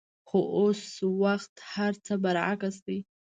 خو اوس وخت هرڅه برعکس دي.